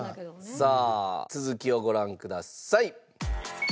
さあ続きをご覧ください。